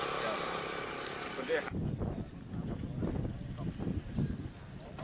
สวัสดีครับ